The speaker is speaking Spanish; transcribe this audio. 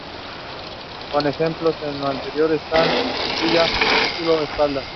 Como ejemplos de lo anterior están: 肋, ‘costilla’; 肌, ‘músculo’; 背, ‘espalda’.